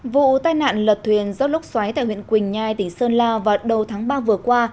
vụ tai nạn lật thuyền do lốc xoáy tại huyện quỳnh nhai tỉnh sơn lao vào đầu tháng ba vừa qua